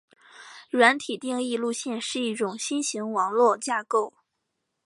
软体定义网路是一种新型网络架构。